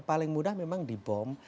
paling mudah memang di bom